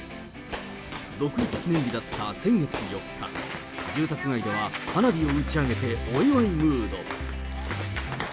独立記念日だった先月４日、住宅街では花火を打ち上げてお祝いムード。